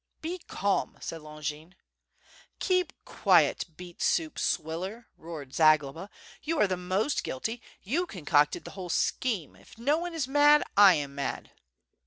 "Be calm!" said Longin. "Keep qiet, beet soup swiller!" roared Zagloba, "you are the most guilty, you concocted the whole scheme, if no one is mad, I am mad."